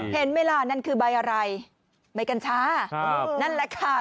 เห็นไหมล่ะนั่นคือใบอะไรใบกัญชานั่นแหละค่ะ